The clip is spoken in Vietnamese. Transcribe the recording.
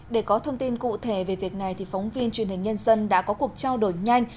để có thông tin cụ thể về việc này phóng viên truyền hình nhân dân đã có cuộc trao đổi nhanh